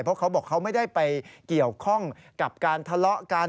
เพราะเขาบอกเขาไม่ได้ไปเกี่ยวข้องกับการทะเลาะกัน